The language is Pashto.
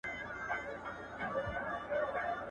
په لاس لیکلنه د ژوند د مانا د موندلو سره مرسته کوي.